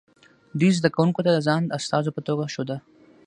دوی زده کوونکو ته ځان د استازو په توګه ښوده